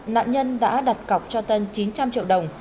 nạn nhân đã đặt cọc cho tân chín trăm linh triệu đồng